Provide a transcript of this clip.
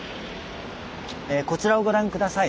こちらをご覧下さい。